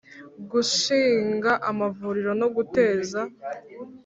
Gushinga amavuriro no guteza